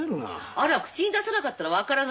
あら口に出さなかったら分からないじゃない。